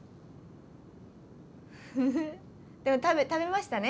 フフフでも食べましたね？